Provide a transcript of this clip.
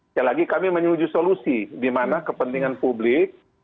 sekali lagi kami menuju solusi di mana kepentingan publik